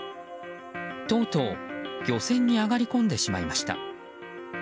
とうとう漁船に上がり込んでしまいました。